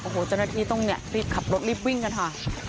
โอ้โหจนดับที่ตรงเนี่ยรีบขับรถรีบวิ่งกันค่ะ